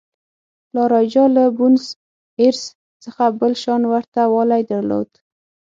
لا رایجا له بونیس ایرس څخه بل شان ورته والی درلود.